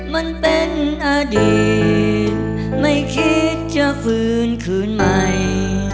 มันเป็นอดีตไม่คิดจะฝืนคืนใหม่